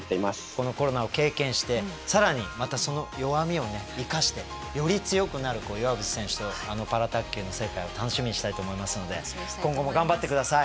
このコロナを経験して更にまたその弱みを生かしてより強くなる岩渕選手のパラ卓球の世界を楽しみにしたいと思いますので今後も頑張って下さい。